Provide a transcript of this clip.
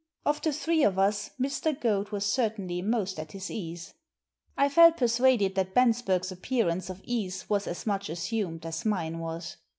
Of the three of us, Mr. Goad was certainly most at his ease. I felt persuaded that Bensberg's appear ance of ease was as much assumed as mine was.